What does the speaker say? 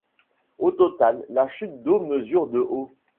Au total, la chute d'eau mesure de haut.